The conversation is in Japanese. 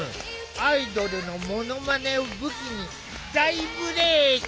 アイドルのモノマネを武器に大ブレーク。